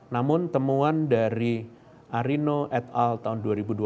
namun temuan dari arino ed al tahun dua ribu dua puluh